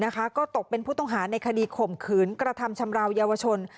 ก็ตกเป็นผู้ต้องหาในคดีข่มขืนกระทำชำราวยาวชน